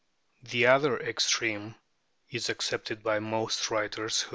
The other extreme is accepted by most writers, who FIG.